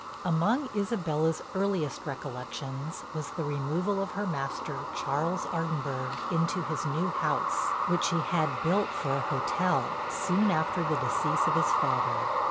Among Isabella's earliest recollections was the removal of her master, Charles Ardinburgh, into his new house, which he had built for a hotel, soon after the decease of his father.